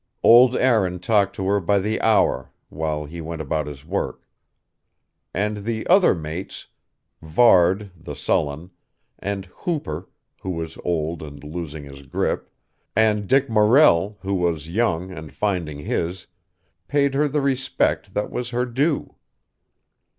Old Aaron talked to her by the hour, while he went about his work. And the other mates Varde, the sullen; and Hooper, who was old and losing his grip; and Dick Morrell, who was young and finding his paid her the respect that was her due.